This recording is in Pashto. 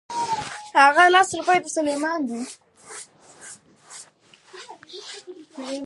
د صحت ښه حالت د کار وړتیا لوړوي.